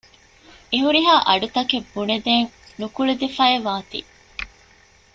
އެ ހުރިހާ އަޑުތަކެއް ބުނެދޭން ނުކުޅެދިފައިވާތީ